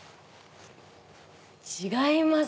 違います